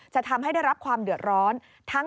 จะทำให้ได้รับความเดือดร้อน